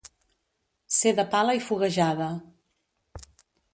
Ser de pala i foguejada.